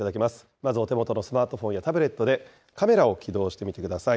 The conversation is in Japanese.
まずお手元のスマートフォンやタブレットでカメラを起動してみてください。